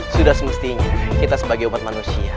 sudah semestinya kita sebagai umat manusia